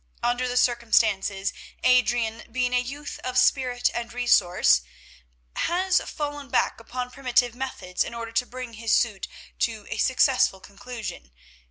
Under the circumstances, Adrian, being a youth of spirit and resource, has fallen back upon primitive methods in order to bring his suit to a successful conclusion.